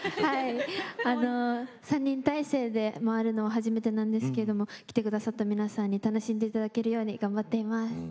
３人体制で回るの初めてなんですが来てくださった皆さんに楽しんでいただけるように頑張っています。